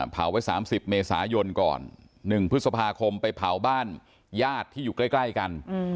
เผาไว้๓๐เมษายนก่อน๑พฤษภาคมไปเผาบ้านญาติที่อยู่ใกล้กัน